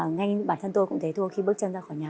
ngay như bản thân tôi cũng thấy thua khi bước chân ra khỏi nhà